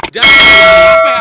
jalan ini apa ya